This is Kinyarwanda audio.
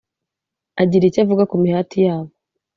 agira icyo avuga ku mihati yabo